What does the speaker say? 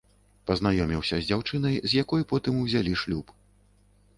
Пазнаёміўся з дзяўчынай, з якой потым узялі шлюб.